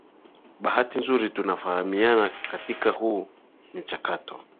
bahati nzuri tunafahamiana katika huu mchakato